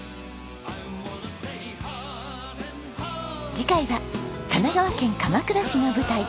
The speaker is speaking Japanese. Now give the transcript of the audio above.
次回は神奈川県鎌倉市が舞台。